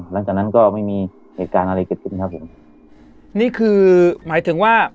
หลังจากนั้นก็ไม่มีเหตุการณ์อะไรเกิดขึ้นครับผมนี่คือหมายถึงว่า